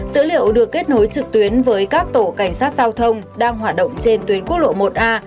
dữ liệu được kết nối trực tuyến với các tổ cảnh sát giao thông đang hoạt động trên tuyến quốc lộ một a